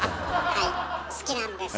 はい好きなんです。